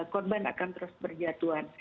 korban akan terus berjatuhan